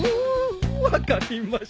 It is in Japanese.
分かりました。